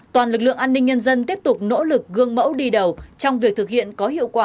toàn lực lượng an ninh nhân dân tiếp tục nỗ lực gương mẫu đi đầu trong việc thực hiện có hiệu quả